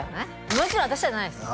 もちろん私じゃないです